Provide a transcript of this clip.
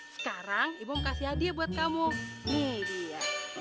sekarang ibu mau kasih hadiah buat kamu nih dia